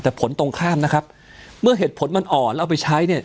แต่ผลตรงข้ามนะครับเมื่อเหตุผลมันอ่อนแล้วเอาไปใช้เนี่ย